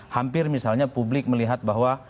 hampir misalnya publik melihat bahwa